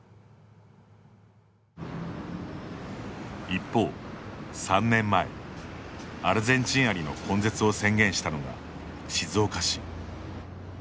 一方、３年前アルゼンチンアリの根絶を宣言したのが静岡市。